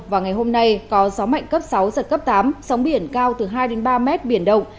và ngày hôm nay có sóng mạnh cấp sáu giật cấp tám sóng biển cao từ hai ba m biển đông